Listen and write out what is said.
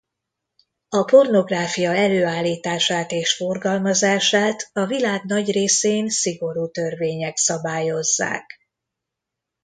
A pornográfia előállítását és forgalmazását a világ nagy részén szigorú törvények szabályozzák.